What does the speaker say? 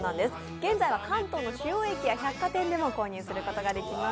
現在は関東の主要駅や百貨店でも購入することができます。